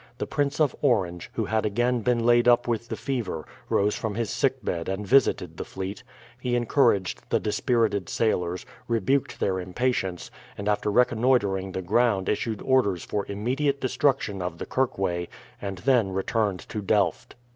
The Prince of Orange, who had again been laid up with the fever, rose from his sickbed and visited the fleet. He encouraged the dispirited sailors, rebuked their impatience, and after reconnoitering the ground issued orders for immediate destruction of the Kirkway, and then returned to Delft.